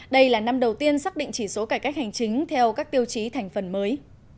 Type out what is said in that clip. đây là năm đầu tiên xác định chỉ số cải cách hành chính theo các tiêu chí thành phần mới